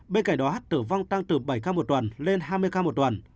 bên cạnh đó tử vong tăng từ bảy ca một tuần lên hai mươi ca một tuần